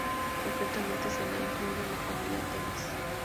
Concretamente se le ha incluido en la familia Temis.